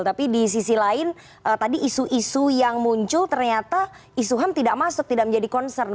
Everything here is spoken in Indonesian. tapi di sisi lain tadi isu isu yang muncul ternyata isu ham tidak masuk tidak menjadi concern